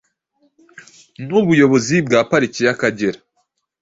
nubuyobozi bwa pariki ya kagera